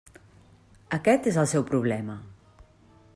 Aquest és el seu problema.